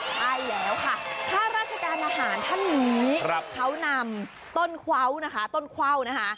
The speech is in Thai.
ใช่แล้วค่ะข้าราชการทหารท่านนี้เขานำต้นเคว้าวนะคะต้นเข้านะคะ